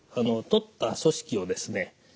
とった組織をですね